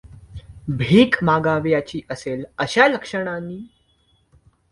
भीक मागावयाची असेल अशा लक्षणानी!